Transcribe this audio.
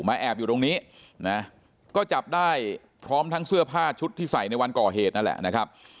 แอบอยู่ตรงนี้นะก็จับได้พร้อมทั้งเสื้อผ้าชุดที่ใส่ในวันก่อเหตุนั่นแหละนะครับ